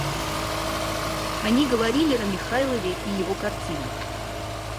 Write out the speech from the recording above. Они говорили о Михайлове и его картинах.